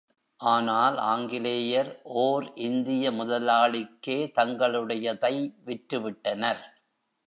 ஆனால் ஆங்கிலேயர் ஓர் இந்திய முதலாளிக்கே தங்களுடையதை விற்றுவிட்டனர்.